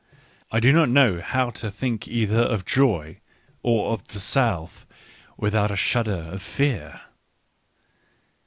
I do not know how to think either of joy, or of the south, without a shudder of fear.